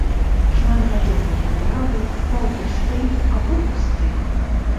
Шматгадовыя травы, паўкусты або кусты.